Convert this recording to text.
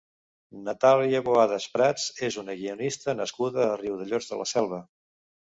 Natàlia Boadas Prats és una guionista nascuda a Riudellots de la Selva.